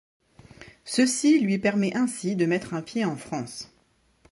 Ceci lui permet ainsi de mettre un pied en France.